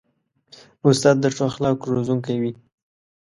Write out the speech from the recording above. استاد د ښو اخلاقو روزونکی وي.